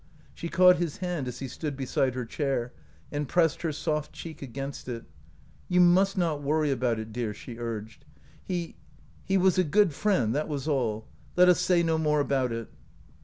She caught his hand as he stood besfde her chair, and pressed her soft cheek against it. "You must not worry about it, dear," she urged ; "he — he was a good friend, that was all. Let us say no more about it."